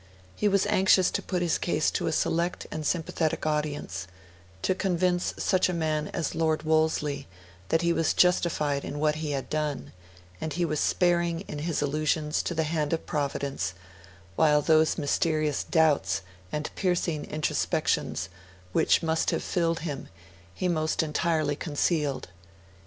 He was anxious to put his case to a select and sympathetic audience to convince such a man as Lord Wolseley that he was justified in what he had done; and he was sparing in his allusions to the hand of Providence, while those mysterious doubts and piercing introspections, which must have filled him, he almost entirely concealed.